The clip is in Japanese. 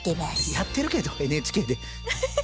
やってるけどＮＨＫで。